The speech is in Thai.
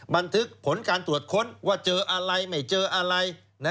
บันทึกผลการตรวจค้นว่าเจออะไรไม่เจออะไร